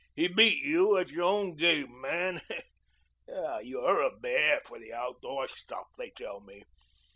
He beat you at your own game, man. You're a bear for the outdoor stuff, they tell me.